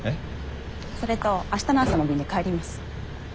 それと明日の朝の便で帰ります。